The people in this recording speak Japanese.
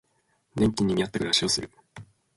年金に見合った暮らしをする